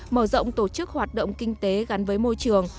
mở rộng tổ chức hoạt động kinh tế gắn với môi trường